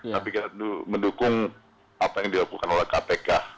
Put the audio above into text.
tapi kita mendukung apa yang dilakukan oleh kpk